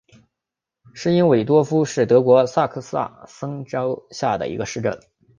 施韦因多夫是德国下萨克森州的一个市镇。